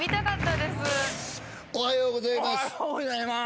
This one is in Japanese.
おはようございます。